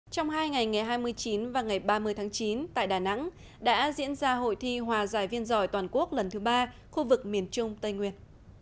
trong hai ngày ngày hai mươi chín và ngày ba mươi tháng chín tại đà nẵng đã diễn ra hội thi hòa giải viên giỏi toàn quốc lần thứ ba khu vực miền trung tây nguyên